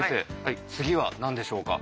次は何でしょうか？